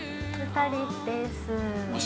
２人です。